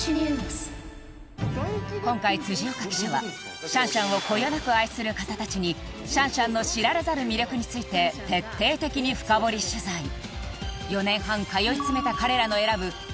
今回辻岡記者はシャンシャンをこよなく愛する方たちにシャンシャンの知られざる魅力について徹底的に深掘り取材えっ！